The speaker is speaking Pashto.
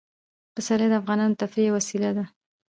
پسرلی د افغانانو د تفریح یوه وسیله ده.